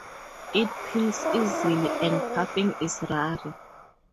It peels easily and puffing is rare.